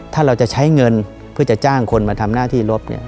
ถ้าเราจะใช้เงินเพื่อจะจ้างคนมาทำหน้าที่ลบเนี่ย